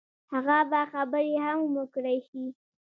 هغه به خبرې هم وکړای شي.